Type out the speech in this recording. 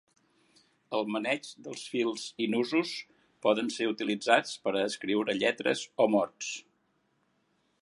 El maneig dels fils i nusos poden ser utilitzats per a escriure lletres o mots.